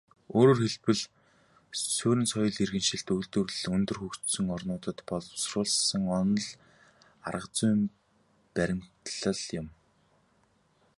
Өөрөөр хэлбэл, суурин соёл иргэншилт, үйлдвэрлэл өндөр хөгжсөн орнуудад боловсруулсан онол аргазүйн баримтлал юм.